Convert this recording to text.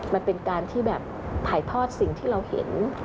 มันเป็นการที่แบบถ่ายทอดสิ่งที่เราเห็น